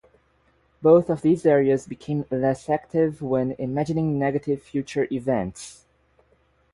Both of these areas became less active when imagining negative future events.